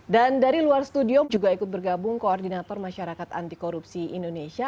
dan dari luar studio juga ikut bergabung koordinator masyarakat antikorupsi indonesia